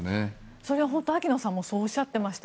それ、本当に秋野さんもおっしゃっていました。